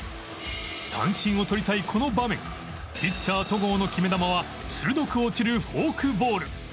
三振をとりたいこの場面ピッチャー戸郷の決め球は鋭く落ちるフォークボール